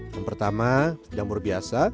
yang pertama jamur biasa